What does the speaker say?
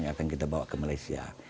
yang akan kita bawa ke malaysia